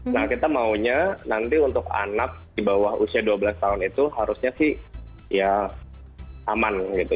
nah kita maunya nanti untuk anak di bawah usia dua belas tahun itu harusnya sih ya aman gitu